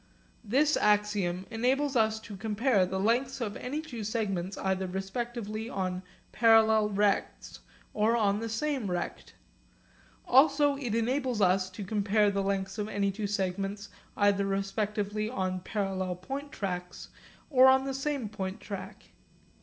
This axiom enables us to compare the lengths of any two segments either respectively on parallel rects or on the same rect. Also it enables us to compare the lengths of any two segments either respectively on parallel point tracks or on the same point track.